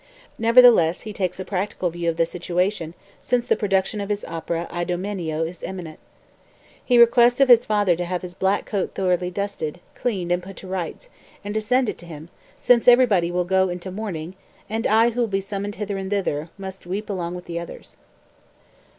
Nevertheless he takes a practical view of the situation since the production of his opera "Idomeneo" is imminent. He requests of his father to have his "black coat thoroughly dusted, cleaned and put to rights," and to send it to him, since "everybody would go into mourning, and I, who will be summoned hither and thither, must weep along with the others.")